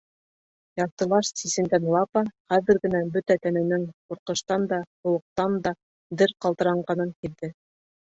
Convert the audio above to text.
Яртылаш сисенгән Лапа хәҙер генә бөтә тәненең ҡурҡыштан да, һыуыҡтан да дер ҡалтыранғанын һиҙҙе.